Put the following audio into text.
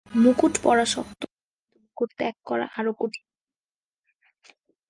মুকুট পরা শক্ত, কিন্তু মুকুট ত্যাগ করা আরও কঠিন।